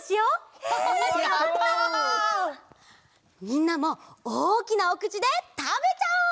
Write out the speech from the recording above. みんなもおおきなおくちでたべちゃおう！